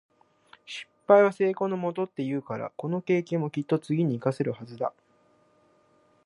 「失敗は成功のもと」って言うから、この経験もきっと次に活かせるはずだ。